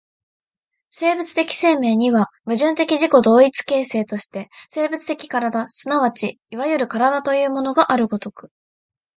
生物的生命には、矛盾的自己同一的形成として生物的身体即ちいわゆる身体というものがある如く、